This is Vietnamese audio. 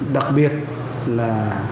đặc biệt là